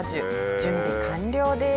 準備完了です。